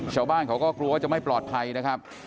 ชาวบ้านเขาก็กลัวว่าจะไม่ปลอดภัยนะครับ